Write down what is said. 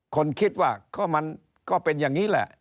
คนคิดว่าก็มันก็เป็นอย่างนี้แหละ